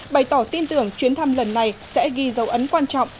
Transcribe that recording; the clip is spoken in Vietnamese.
bày tỏ tin tưởng chuyến thăm lần này sẽ ghi dấu ấn quan trọng